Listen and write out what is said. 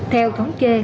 theo thống kê